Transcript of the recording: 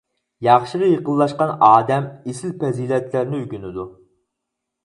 ياخشىغا يېقىنلاشقان ئادەم ئېسىل پەزىلەتلەرنى ئۆگىنىدۇ.